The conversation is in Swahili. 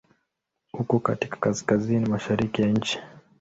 Uko katika Kaskazini mashariki ya nchi.